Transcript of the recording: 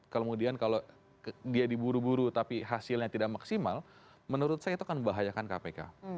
kemudian kalau dia diburu buru tapi hasilnya tidak maksimal menurut saya itu akan membahayakan kpk